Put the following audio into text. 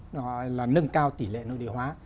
nâng cao tỷ lệ nội địa hóa